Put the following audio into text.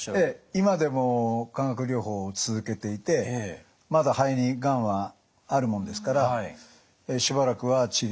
今でも化学療法を続けていてまだ肺にがんはあるもんですからしばらくは治療を。